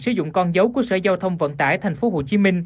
sử dụng con dấu của sở giao thông vận tải tp hcm